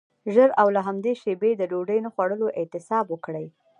ژر او له همدې شیبې د ډوډۍ نه خوړلو اعتصاب وکړئ.